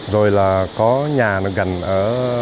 rồi là có nhà gần ở